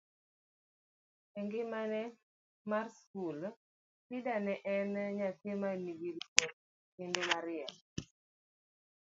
e ngimane mar skul, Shida ne en nyadhi ma nigi luor kendo mariek